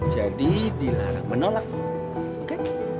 jadi dilarang menolak